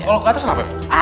kalau ke atas kenapa ibu